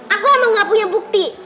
aku emang gak punya bukti